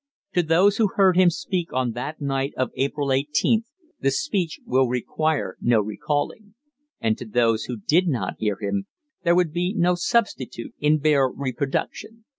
To those who heard him speak on that night of April 18th the speech will require no recalling; and to those who did not hear him there would be no substitute in bare reproduction.